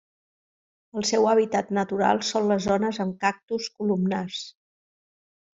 El seu hàbitat natural són les zones amb cactus columnars.